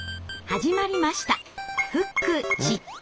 始まりました